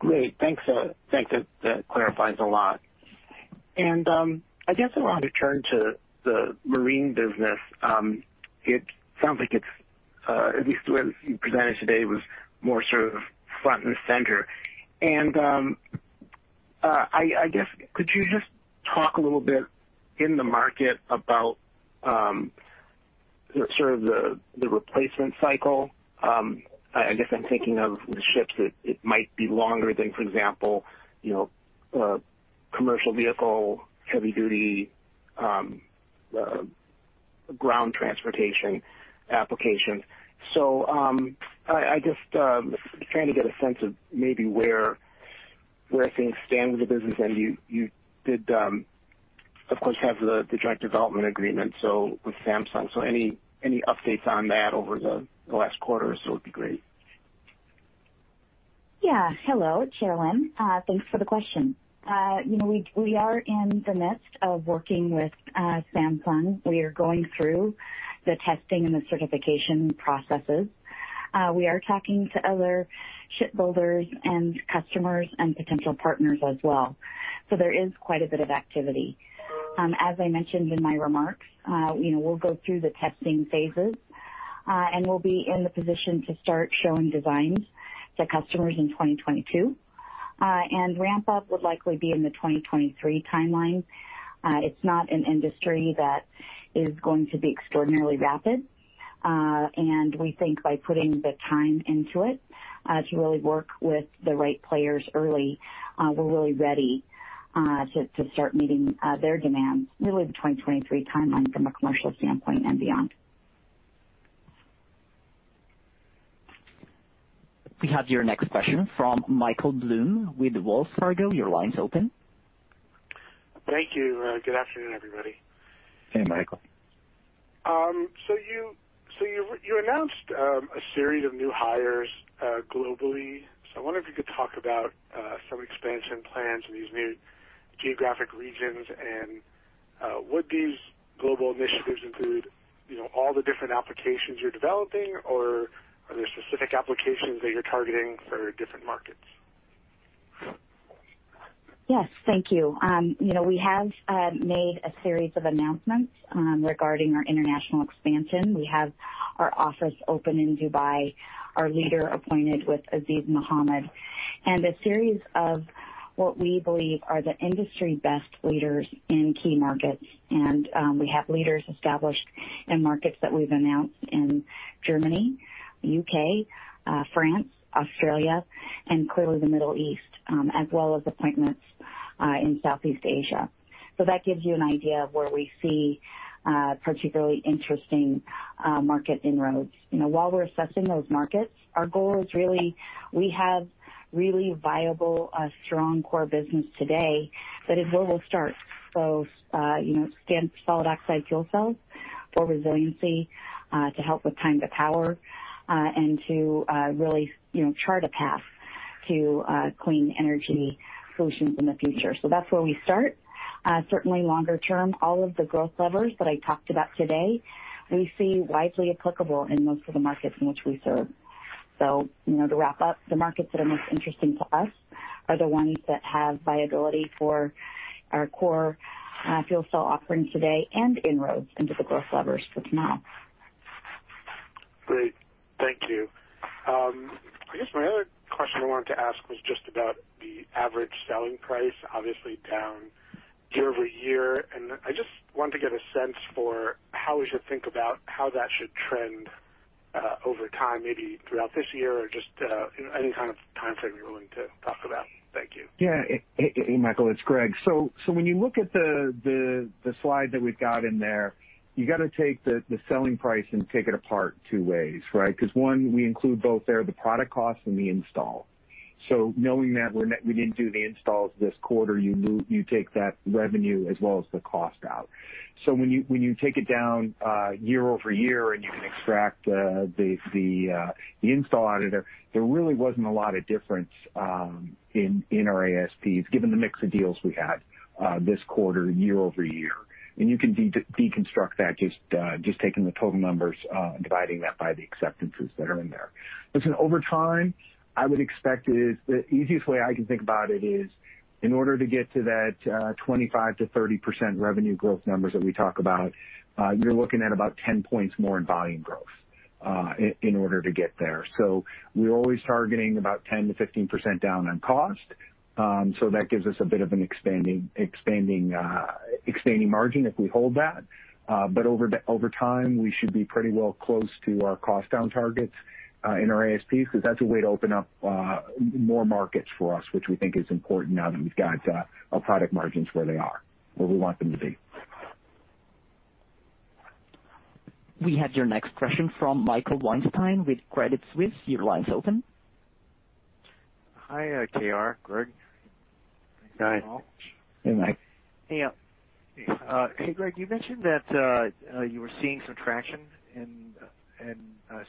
Great. Thanks. That clarifies a lot. I guess I want to turn to the marine business. It sounds like it's, at least the way you presented today, was more sort of front and center. I guess could you just talk a little bit in the market about sort of the replacement cycle? I guess I'm thinking of the ships that it might be longer than, for example, commercial vehicle, heavy duty, ground transportation applications. I just trying to get a sense of maybe where things stand with the business and you did, of course, have the joint development agreement, with Samsung. Any updates on that over the last quarter or so would be great. Yeah. Hello, Noel. Thanks for the question. We are in the midst of working with Samsung Heavy Industries. We are going through the testing and the certification processes. We are talking to other shipbuilders and customers and potential partners as well. There is quite a bit of activity. As I mentioned in my remarks, we'll go through the testing phases, and we'll be in the position to start showing designs to customers in 2022. Ramp up would likely be in the 2023 timeline. It's not an industry that is going to be extraordinarily rapid. We think by putting the time into it, to really work with the right players early, we're really ready to start meeting their demands, really the 2023 timeline from a commercial standpoint and beyond. We have your next question from Michael Blum with Wells Fargo. Your line's open. Thank you. Good afternoon, everybody. Hey, Michael. You announced a series of new hires globally. I wonder if you could talk about some expansion plans in these new geographic regions and would these global initiatives include all the different applications you're developing, or are there specific applications that you're targeting for different markets? Yes. Thank you. We have made a series of announcements regarding our international expansion. We have our office open in Dubai, our leader appointed with Azeez Mohammed, a series of what we believe are the industry best leaders in key markets. We have leaders established in markets that we've announced in Germany, U.K., France, Australia, and clearly the Middle East, as well as appointments in Southeast Asia. That gives you an idea of where we see particularly interesting market inroads. While we're assessing those markets, our goal is really, we have really viable, strong core business today that is where we'll start. Solid oxide fuel cells for resiliency, to help with time to power, and to really chart a path to clean energy solutions in the future. That's where we start. Certainly longer term, all of the growth levers that I talked about today, we see widely applicable in most of the markets in which we serve. To wrap up, the markets that are most interesting to us are the ones that have viability for our core fuel cell offerings today and inroads into the growth levers that's now. Great. Thank you. I guess my other question I wanted to ask was just about the average selling price, obviously down year-over-year. I just wanted to get a sense for how we should think about how that should trend Over time, maybe throughout this year or just any kind of time frame you're willing to talk about. Thank you. Yeah. Hey, Michael, it's Gregory. When you look at the slide that we've got in there, you got to take the selling price and take it apart two ways, right? Because one, we include both there the product cost and the install. Knowing that we didn't do the installs this quarter, you take that revenue as well as the cost out. When you take it down year-over-year, and you can extract the install out of there really wasn't a lot of difference in our ASPs given the mix of deals we had this quarter year-over-year. You can deconstruct that just taking the total numbers, dividing that by the acceptances that are in there. Listen, over time, the easiest way I can think about it is in order to get to that 25%-30% revenue growth numbers that we talk about, you're looking at about 10 points more in volume growth in order to get there. We're always targeting about 10%-15% down on cost. That gives us a bit of an expanding margin if we hold that. Over time, we should be pretty well close to our cost down targets in our ASPs because that's a way to open up more markets for us, which we think is important now that we've got our product margins where they are, where we want them to be. We have your next question from Michael Weinstein with Credit Suisse. Your line is open. Hi, KR, Gregory. Hi. Thanks, all. Hey, Michael. Hey. Hey, Gregory, you mentioned that you were seeing some traction in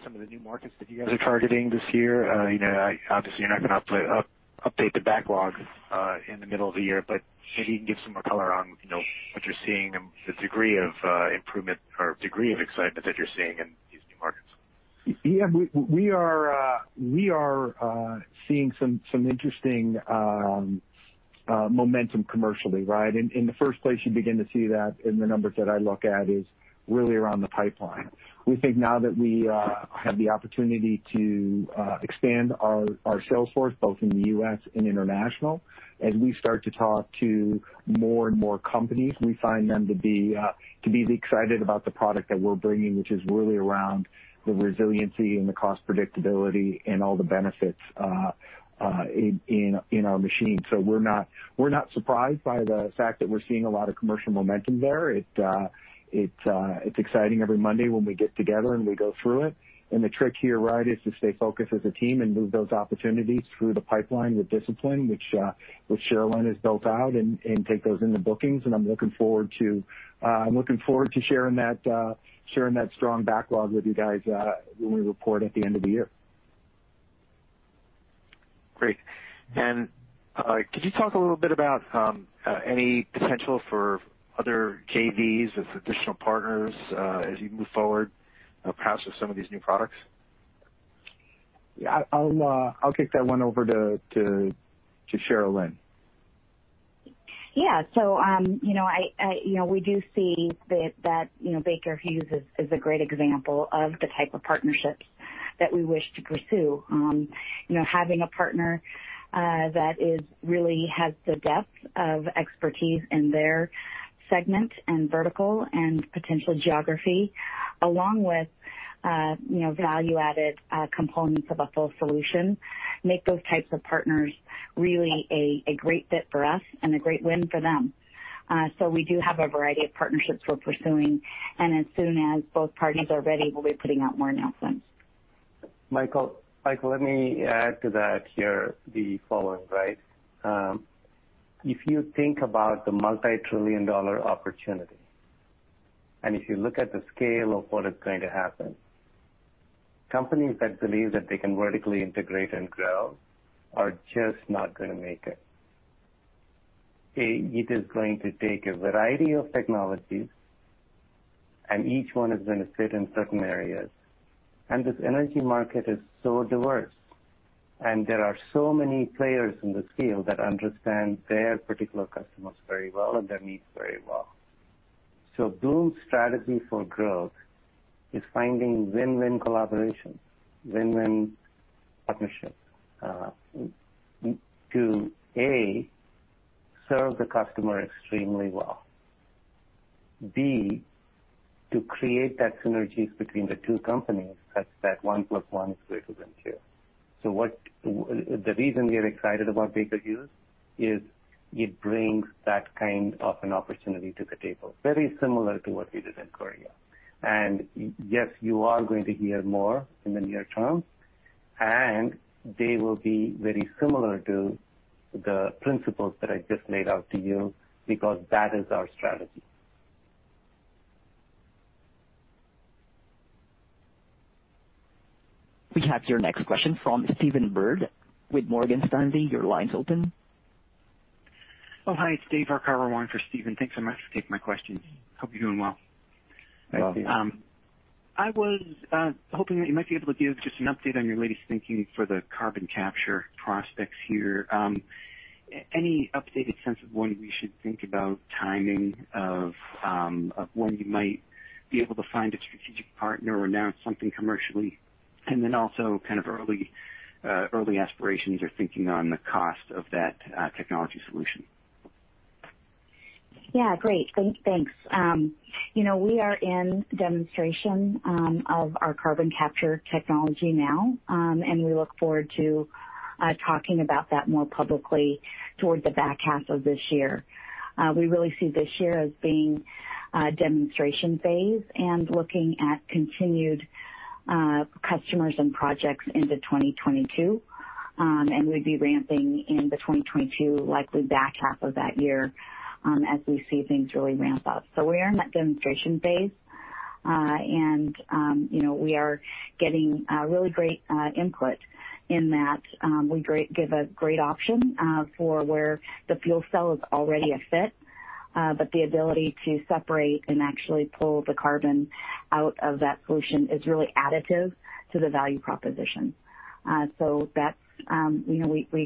some of the new markets that you guys are targeting this year. Obviously, you're not going to update the backlog in the middle of the year, maybe you can give some more color on what you're seeing and the degree of improvement or degree of excitement that you're seeing in these new markets. Yeah, we are seeing some interesting momentum commercially, right? In the first place, you begin to see that in the numbers that I look at is really around the pipeline. We think now that we have the opportunity to expand our sales force, both in the U.S. and international, as we start to talk to more and more companies, we find them to be excited about the product that we're bringing, which is really around the resiliency and the cost predictability and all the benefits in our machine. We're not surprised by the fact that we're seeing a lot of commercial momentum there. It's exciting every Monday when we get together and we go through it, and the trick here is to stay focused as a team and move those opportunities through the pipeline with discipline, which Sharelynn has built out, and take those into bookings. I'm looking forward to sharing that strong backlog with you guys when we report at the end of the year. Great. Could you talk a little bit about any potential for other JVs with additional partners as you move forward, perhaps with some of these new products? Yeah, I'll kick that one over to Sharelynn. Yeah. We do see that Baker Hughes is a great example of the type of partnerships that we wish to pursue. Having a partner that really has the depth of expertise in their segment and vertical and potential geography, along with value-added components of a full solution, make those types of partners really a great fit for us and a great win for them. We do have a variety of partnerships we're pursuing, and as soon as both parties are ready, we'll be putting out more announcements. Michael, let me add to that here the following. If you think about the multi-trillion-dollar opportunity, if you look at the scale of what is going to happen, companies that believe that they can vertically integrate and grow are just not going to make it. It is going to take a variety of technologies, each one is going to fit in certain areas. This energy market is so diverse, there are so many players in this field that understand their particular customers very well and their needs very well. Bloom's strategy for growth is finding win-win collaboration, win-win partnerships, to A, serve the customer extremely well. B, to create that synergies between the two companies such that one plus one is greater than two. The reason we are excited about Baker Hughes is it brings that kind of an opportunity to the table, very similar to what we did in Korea. Yes, you are going to hear more in the near term, and they will be very similar to the principles that I just laid out to you because that is our strategy. We have your next question from Stephen Byrd with Morgan Stanley. Your line is open. Hi, it's David Arcaro on for Stephen. Thanks so much for taking my questions. Hope you're doing well. Hi, Stephen. I was hoping that you might be able to give just an update on your latest thinking for the carbon capture prospects here. Any updated sense of when we should think about timing of when you might be able to find a strategic partner or announce something commercially, and then also kind of early aspirations or thinking on the cost of that technology solution? Yeah, great. Thanks. We are in demonstration of our carbon capture technology now, and we look forward to talking about that more publicly toward the back half of this year. We really see this year as being a demonstration phase and looking at continued customers and projects into 2022. We'd be ramping in the 2022, likely back half of that year, as we see things really ramp up. We are in that demonstration phase. We are getting really great input in that we give a great option for where the fuel cell is already a fit. The ability to separate and actually pull the carbon out of that solution is really additive to the value proposition. We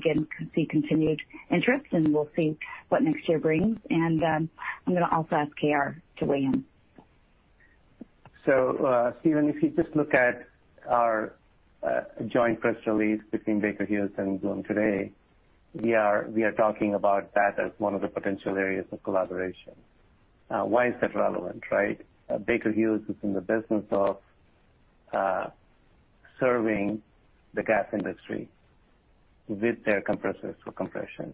can see continued interest, and we'll see what next year brings. I'm going to also ask KR to weigh in. Stephen, if you just look at our joint press release between Baker Hughes and Bloom Energy today, we are talking about that as one of the potential areas of collaboration. Why is that relevant, right? Baker Hughes is in the business of serving the gas industry with their compressors for compression.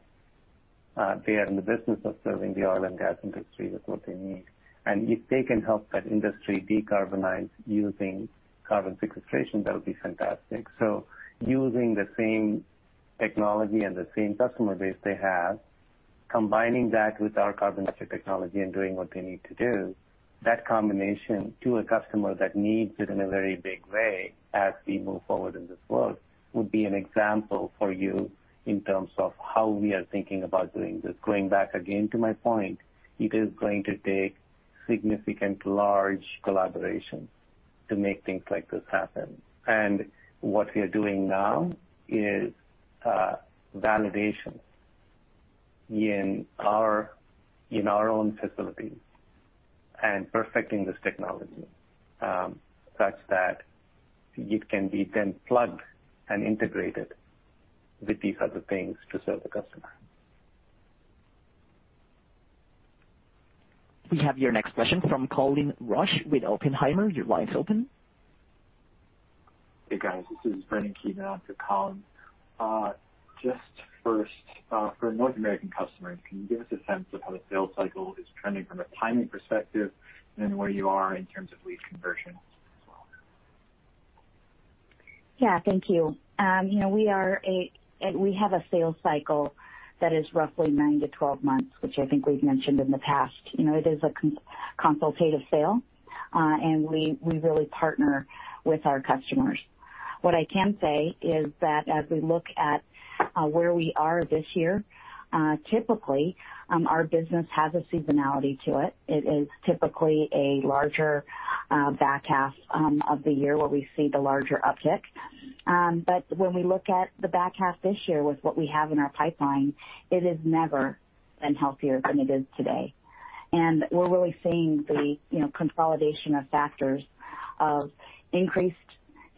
They are in the business of serving the oil and gas industry with what they need. If they can help that industry decarbonize using carbon sequestration, that would be fantastic. Using the same technology and the same customer base they have, combining that with our carbon capture technology and doing what they need to do, that combination to a customer that needs it in a very big way as we move forward in this world, would be an example for you in terms of how we are thinking about doing this. Going back again to my point, it is going to take significant large collaborations to make things like this happen. What we are doing now is validation in our own facilities and perfecting this technology, such that it can be then plugged and integrated with these other things to serve the customer. We have your next question from Colin Rusch with Oppenheimer. Your line's open. Hey, guys. This is Brendan Kean on for Colin. First, for North American customers, can you give us a sense of how the sales cycle is trending from a timing perspective and where you are in terms of lead conversion as well? Yeah. Thank you. We have a sales cycle that is roughly 9-12 months, which I think we've mentioned in the past. It is a consultative sale. We really partner with our customers. What I can say is that as we look at where we are this year, typically, our business has a seasonality to it. It is typically a larger back half of the year where we see the larger uptick. When we look at the back half this year with what we have in our pipeline, it has never been healthier than it is today. We're really seeing the consolidation of factors of increased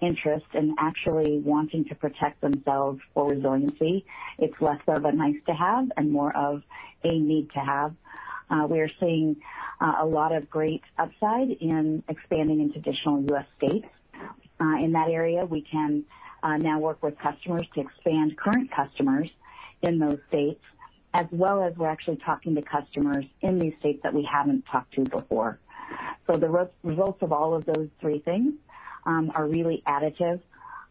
interest and actually wanting to protect themselves for resiliency. It's less of a nice-to-have and more of a need-to-have. We are seeing a lot of great upside in expanding in traditional U.S. states. In that area, we can now work with customers to expand current customers in those states, as well as we're actually talking to customers in these states that we haven't talked to before. The results of all of those three things are really additive,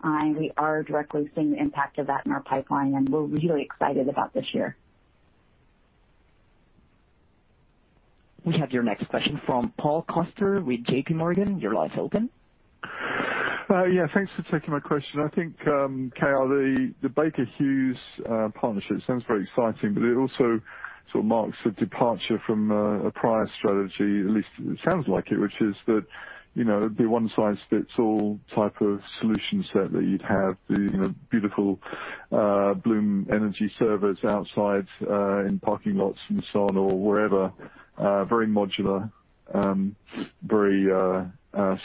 and we are directly seeing the impact of that in our pipeline, and we're really excited about this year. We have your next question from Paul Coster with JPMorgan. Your line's open. Yeah. Thanks for taking my question. I think, KR, the Baker Hughes partnership sounds very exciting, but it also sort of marks a departure from a prior strategy, at least it sounds like it, which is that, the one-size-fits-all type of solution set that you'd have, the beautiful Bloom Energy Servers outside in parking lots and so on, or wherever. Very modular, very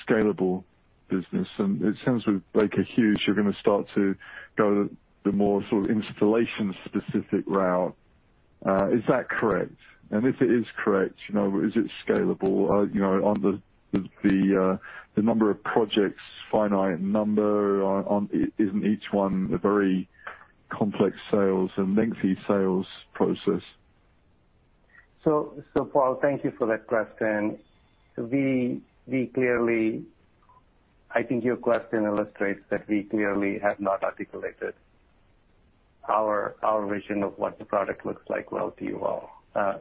scalable business. It sounds with Baker Hughes, you're going to start to go the more sort of installation-specific route. Is that correct? If it is correct, is it scalable? Are the number of projects finite in number? Isn't each one a very complex sales and lengthy sales process? Paul, thank you for that question. I think your question illustrates that we clearly have not articulated our vision of what the product looks like well to you all.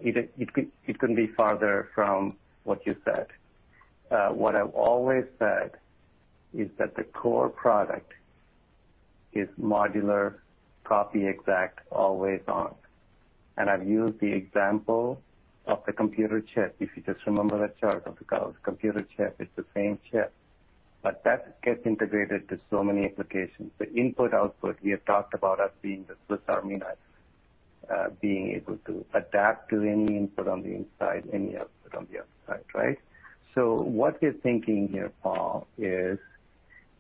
It couldn't be farther from what you said. What I've always said is that the core product is modular, copy exact, always on. I've used the example of the computer chip. If you just remember that chart of the computer chip, it's the same chip. That gets integrated to so many applications. The input, output, we have talked about as being the Swiss Army knife, being able to adapt to any input on the inside, any output on the outside, right? What we're thinking here, Paul, is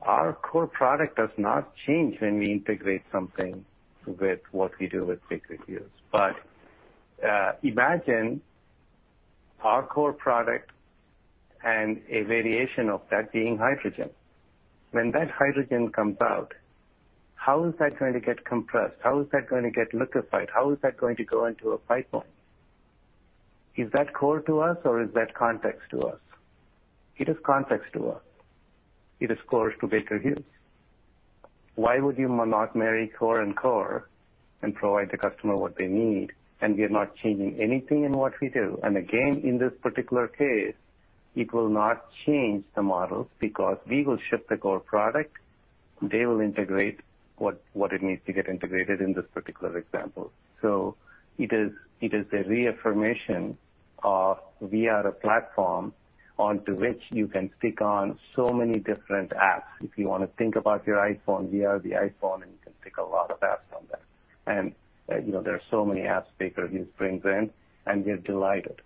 our core product does not change when we integrate something with what we do with Baker Hughes. Imagine our core product and a variation of that being hydrogen. When that hydrogen comes out, how is that going to get compressed? How is that going to get liquefied? How is that going to go into a pipeline? Is that core to us or is that context to us? It is context to us. It is core to Baker Hughes. Why would you not marry core and core and provide the customer what they need? We are not changing anything in what we do. Again, in this particular case, it will not change the model because we will ship the core product. They will integrate what it needs to get integrated in this particular example. It is a reaffirmation of we are a platform onto which you can stick on so many different apps. If you want to think about your iPhone, we are the iPhone, and you can stick a lot of apps on that. There are so many apps Baker Hughes brings in, and we're delighted.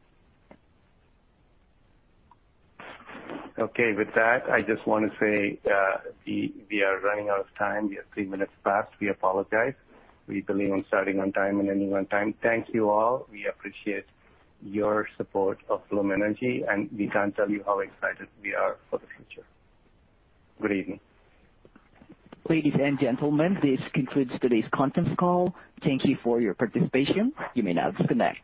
With that, I just want to say, we are running out of time. We are three minutes past. We apologize. We believe in starting on time and ending on time. Thank you, all. We appreciate your support of Bloom Energy, and we can't tell you how excited we are for the future. Good evening. Ladies and gentlemen, this concludes today's conference call. Thank you for your participation. You may now disconnect.